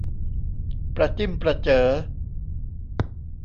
ประจิ้มประเจ๋อ